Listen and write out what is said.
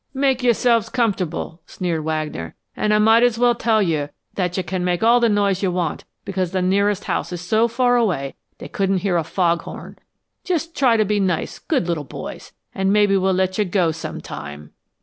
"Make yourselves comfortable," sneered Wagner. "And I might as well tell you that you can make all the noise you want, because the nearest house is so far away they couldn't hear a fog horn. Just try to be nice, good little boys, and maybe we'll let you go sometime."